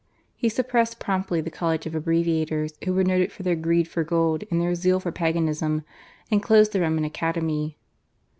He suppressed promptly the College of Abbreviators who were noted for their greed for gold and their zeal for Paganism, and closed the Roman Academy.